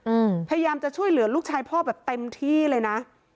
พยายามจะช่วยเหลือลูกชายพ่อแบบเต็มที่เลยนะ